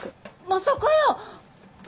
まさかやー！